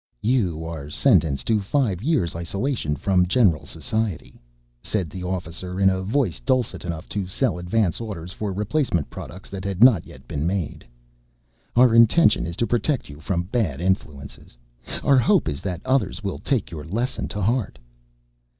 "You are sentenced to five years isolation from general society," said the officer, in a voice dulcet enough to sell advance orders for replacement products that had not yet been made. "Our intention is to protect you from bad influences. Our hope is that others will take your lesson to heart."